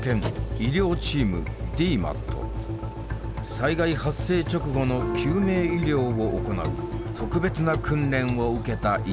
災害発生直後の救命医療を行う特別な訓練を受けた医師たちだ。